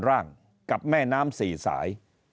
ระหว่างกรรมการร่างกับแม่น้ำสี่สาย